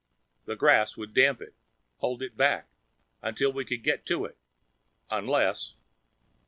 The grass would damp it, hold it back, until we could get to it. Unless....